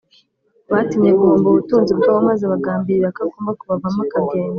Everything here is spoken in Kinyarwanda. batinye guhomba ubutunzi bwabo maze bagambirira ko agomba kubavamo akagenda